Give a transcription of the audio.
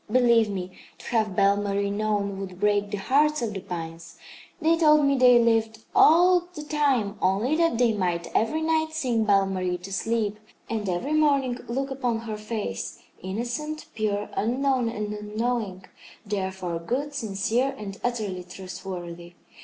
Believe me, to have Belle Marie known would break the hearts of the pines. They told me they lived all the time only that they might every night sing Belle Marie to sleep, and every morning look upon her face, innocent, pure, unknown and unknowing, therefore good, sincere and utterly trustworthy.